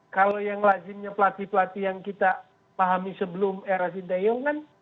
kalau yang lazimnya pelatih pelatih yang kita pahami sebelum era sinteyong kan